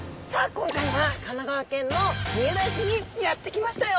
今回は神奈川県の三浦市にやって来ましたよ！